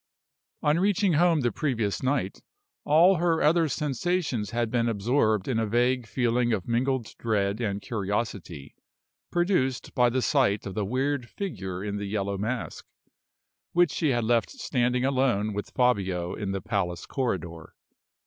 On reaching home the previous night, all her other sensations had been absorbed in a vague feeling of mingled dread and curiosity, produced by the sight of the weird figure in the yellow mask, which she had left standing alone with Fabio in the palace corridor.